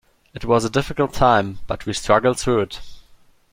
It was a difficult time, but we struggled through it.